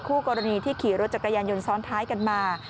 คู่กรณีที่ขี่รถจักรยานยนต์ซ้อนท้ายกันมา